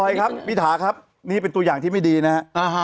พี่บอยครับพี่ถาครับนี่เป็นตัวอย่างที่ไม่ดีนะครับ